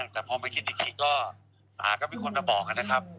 แต่พอมาคิดอีกทีก็อาก็เป็นคนมาบอกนะครับ